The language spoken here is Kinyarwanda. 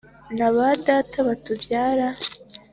na ba data batubyaye